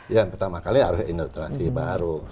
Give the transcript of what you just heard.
yang pertama kali harus indoktrinasi baru